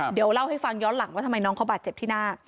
เดี๋ยวเล่าให้ฟังย้อนหลังว่าทำไมน้องเขาบาดเจ็บที่หน้า